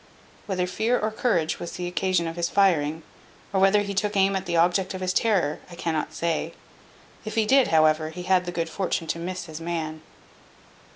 Whether fear or courage was the occasion of his firing, or whether he took aim at the object of his terror, I cannot say. If he did, however, he had the good fortune to miss his man.